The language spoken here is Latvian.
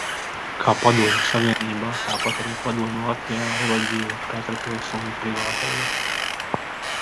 Kā Padomju Savienībā, tāpat arī Padomju Latvijā reliģija ir katra pilsoņa privāta lieta.